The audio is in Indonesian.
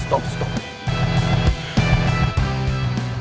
gue bilang berhenti